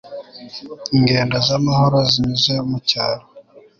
Ingendo zamahoro zinyuze mucyaro